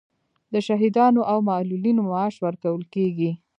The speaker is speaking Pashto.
د شهیدانو او معلولینو معاش ورکول کیږي